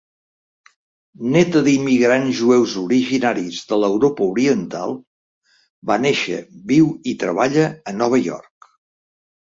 Néta d'immigrants jueus originaris de l'Europa Oriental, va néixer, viu i treballa a Nova York.